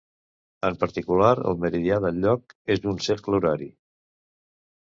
En particular, el meridià del lloc és un cercle horari.